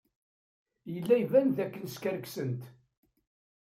Yella iban dakken skerksent.